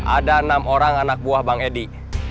ada enam orang anak buah bang edi